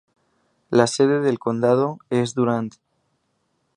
La sede del condado es Durand.